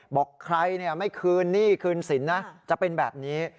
บอกใครไม่คืนหนี้คืนสินนะจะเป็นแบบนี้